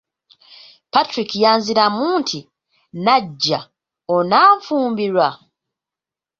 Patrick yanziramu nti, "Nnajja onanfumbirwa?"